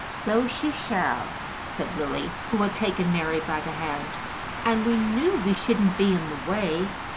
"So she shall," said Lily, who had taken Mary by the hand. "And we knew we shouldn't be in the way.